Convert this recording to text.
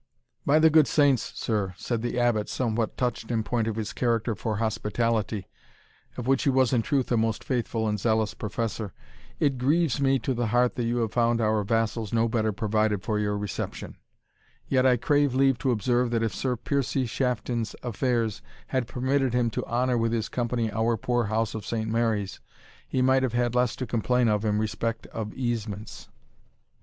"By the good Saints, sir," said the Abbot, somewhat touched in point of his character for hospitality, of which he was in truth a most faithful and zealous professor, "it grieves me to the heart that you have found our vassals no better provided for your reception Yet I crave leave to observe, that if Sir Piercie Shafton's affairs had permitted him to honour with his company our poor house of Saint Mary's, he might have had less to complain of in respect of easements."